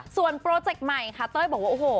ส่วนโปรเจคใหม่ค่ะเต้ยบอกว่าโอ้โห